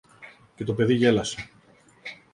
και το παιδί γέλασε.